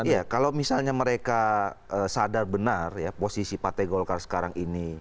iya kalau misalnya mereka sadar benar ya posisi partai golkar sekarang ini